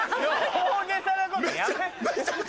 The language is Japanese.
大げさなことやめて。